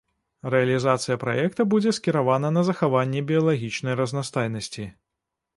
Рэалізацыя праекта будзе скіравана на захаванне біялагічнай разнастайнасці.